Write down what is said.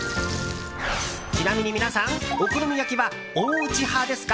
ちなみに皆さん、お好み焼きはおうち派ですか？